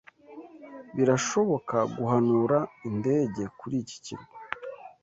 Birashoboka guhanura indege kuri iki kirwa?